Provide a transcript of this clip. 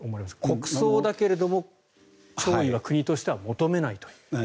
国葬だけれども弔意は国としては求めないという。